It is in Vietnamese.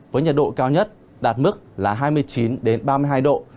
với nhiệt độ cao nhất đạt mức là hai mươi chín ba mươi hai độ